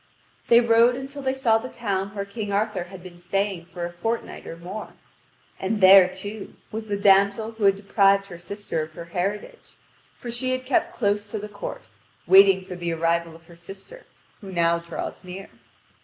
They rode until they saw the town where King Arthur had been staying for a fortnight or more. And there, too, was the damsel who had deprived her sister of her heritage, for she had kept close to the court, waiting for the arrival of her sister, who now draws near.